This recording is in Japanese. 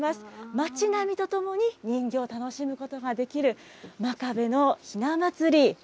町並みとともに人形を楽しむことができる、真壁のひなまつり。